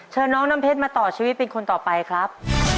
น้องน้ำเพชรมาต่อชีวิตเป็นคนต่อไปครับ